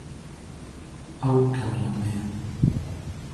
ئەو کارامەیە.